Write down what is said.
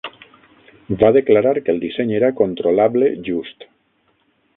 Va declarar que el disseny era controlable-just.